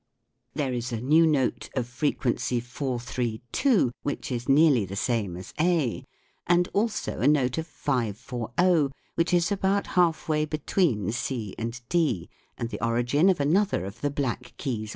There is a new note of frequency 432 which is nearly the same as A, and also a note of 540 which is about half way between C and D and the origin of another of the black keys on the piano.